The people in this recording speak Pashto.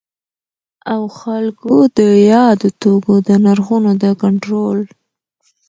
او خلګو د یادو توکو د نرخونو د کنټرول